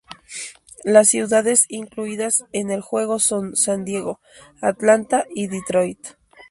Las ciudades incluidas en el juego son San Diego, Atlanta y Detroit.